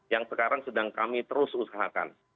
yang sekarang sedang kami terus usahakan